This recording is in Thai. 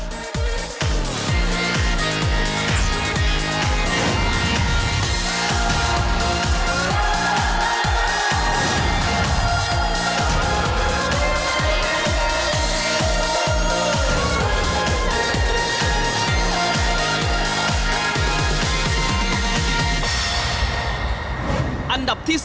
เกมนี้แข่งขันกับแคชซี